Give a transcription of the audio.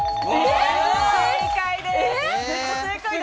正解です。